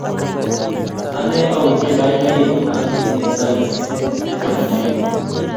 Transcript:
Ane autie kainaik ab bik eng saisek chechang nea